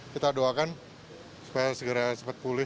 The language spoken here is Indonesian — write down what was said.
kita doakan supaya segera cepat pulih